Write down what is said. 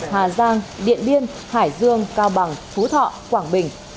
hà giang điện biên hải dương cao bằng phú thọ quảng bình